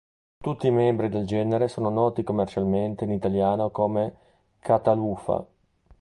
Tutti i membri del genere sono noti commercialmente in italiano come catalufa.